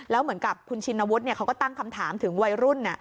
แล้วเหมือนกับคุณชินวุฒิเขาก็ตั้งคำถามถึงวัยรุ่น